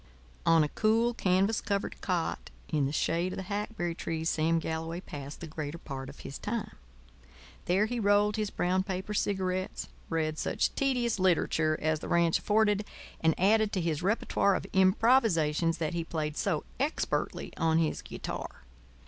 On a cool, canvas covered cot in the shade of the hackberry trees Sam Galloway passed the greater part of his time. There he rolled his brown paper cigarettes, read such tedious literature as the ranch afforded, and added to his repertoire of improvisations that he played so expertly on his guitar.